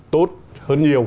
tốt hơn nhiều